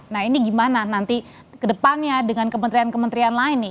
nah ini gimana nanti ke depannya dengan kementerian kementerian lain nih